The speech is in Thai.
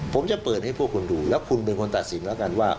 ผมจะเปิดให้พวกคุณดูแล้วคุณเป็นคนตัดสินแล้วกันว่า